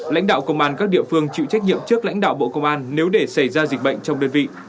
lãnh đạo công an các địa phương chịu trách nhiệm trước lãnh đạo bộ công an nếu để xảy ra dịch bệnh trong đơn vị